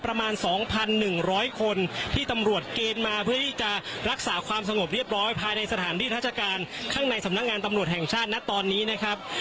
ประมาณ๒๑๐๐คนที่ตำรวจเกณฑ์มาเพื่อที่จะรักษาความสงบเรียบร้อยภายในสถานที่ราชการข้างในสำนักงานตำรวจแห่งชาตินะตอนนี้นะครับ